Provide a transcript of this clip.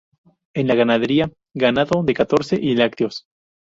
En la ganadería, ganado de corte y lácteos.